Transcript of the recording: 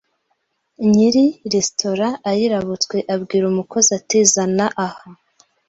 nyiri resitora ayirabutswe abwira umukozi ati zana aha